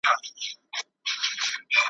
کوږ بار نه لری منزل، دغه متل دئ